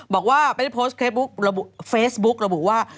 บอกว่าไม่ได้โพสต์เฟซบุ๊กระบุว่า